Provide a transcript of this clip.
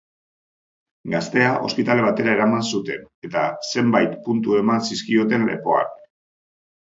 Gaztea ospitale batera eraman zuten eta zenbait puntu eman zizkioten lepoan.